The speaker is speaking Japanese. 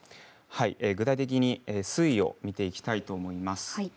具体的に水位を見ていきたいと思います。